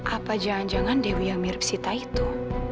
apa jalan jalan dewi yang mirip sita itu